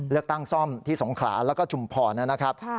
เลือกตั้งซ่อมที่สงขลาแล้วก็ชุมพรนะครับ